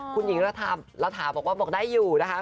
คุณหญิงระถาบอกว่าบอกได้อยู่นะคะ